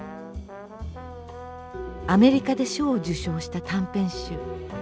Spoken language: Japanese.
アメリカで賞を受賞した短編集。